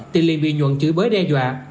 thì liên bình nhuận chửi bới đe dọa